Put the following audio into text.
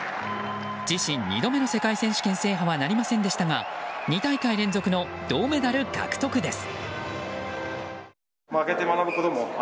自身２度目の世界選手権制覇はなりませんでしたが２大会連続の銅メダル獲得です。